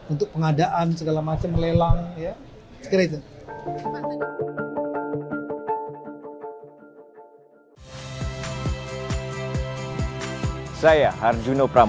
untuk pengadaan segala macam